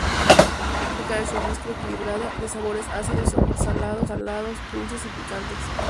Se caracteriza por su mezcla equilibrada de sabores ácidos, salados, dulces y picantes.